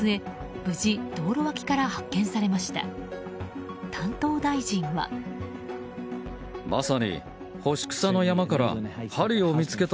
無事、道路脇から発見されました。